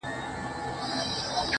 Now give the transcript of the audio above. راسه چي الهام مي د زړه ور مات كـړ~